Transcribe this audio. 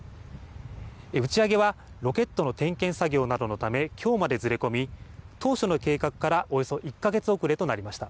打ち上げはロケットの点検作業などのためきょうまでずれ込み当初の計画からおよそ１か月遅れとなりました。